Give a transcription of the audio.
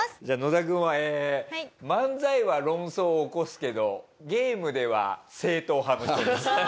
じゃあ野田君は漫才は論争を起こすけどゲームでは正統派の人です。